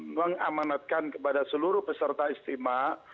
mengamanatkan kepada seluruh peserta istimewa